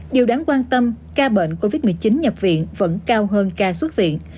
điều đáng quan tâm ca bệnh covid một mươi chín nhập viện vẫn cao hơn ca xuất viện